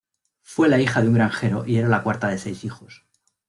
Fue la hija de un granjero y era la cuarta de seis hijos.